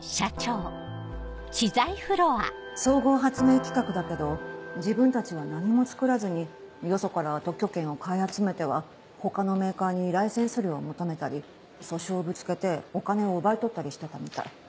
総合発明企画だけど自分たちは何も作らずによそから特許権を買い集めては他のメーカーにライセンス料を求めたり訴訟をぶつけてお金を奪い取ったりしてたみたい。